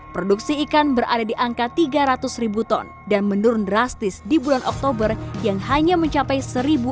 produksi ikan berada di angka tiga ratus ribu ton dan menurun drastis di bulan oktober yang hanya mencapai satu lima ratus